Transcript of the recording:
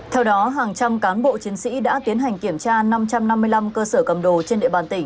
theo đó hàng trăm cán bộ chiến sĩ đã tiến hành kiểm tra hàng trăm cơ sở kinh doanh dịch vụ cầm đồ trên địa bàn toàn tỉnh